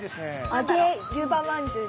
揚げゆばまんじゅう？